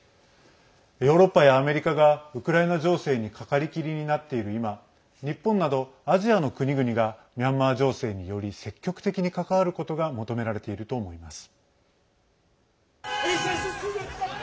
ヨーロッパやアメリカがウクライナ情勢にかかりきりになっている今日本などアジアの国々がミャンマー情勢により積極的に関わることが求められていると思います。